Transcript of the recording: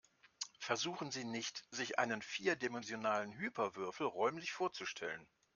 Versuchen Sie nicht, sich einen vierdimensionalen Hyperwürfel räumlich vorzustellen.